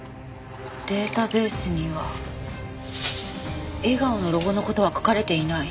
データベースには笑顔のロゴの事は書かれていない。